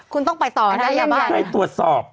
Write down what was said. เขาให้ตรวจสอบ